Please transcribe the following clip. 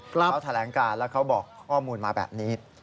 เขาแถลงการแล้วเขาบอกข้อมูลมาแบบนี้